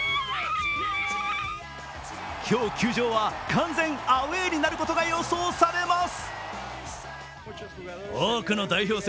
今日球場は完全アウェーになることが予想されます。